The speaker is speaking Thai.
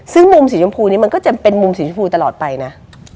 ซึ่งมุมสีชมพูนี้มันก็จะเป็นมุมสีชมพูตลอดไปนะ